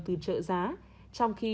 từ trợ giá trong khi